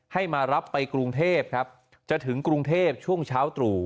ให้มารับไปกรุงเทพครับจะถึงกรุงเทพช่วงเช้าตรู่